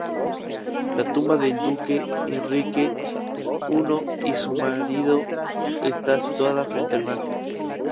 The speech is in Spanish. La tumba del Duque Enrique I, su marido, está situada frente al altar.